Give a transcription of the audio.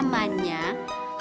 itu biruanku apa